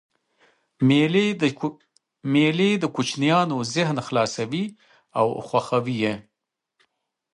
مېلې د کوچنيانو ذهن خلاصوي او خوښوي یې.